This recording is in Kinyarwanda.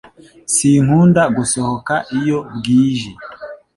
Sinkunda gusohoka iyo bwije